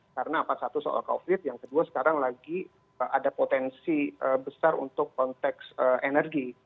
karena apa satu soal covid yang kedua sekarang lagi ada potensi besar untuk konteks energi